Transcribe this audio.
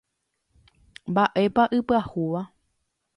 Mba'épa ipyahúva.